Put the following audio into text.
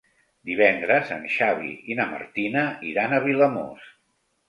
Divendres en Xavi i na Martina iran a Vilamòs.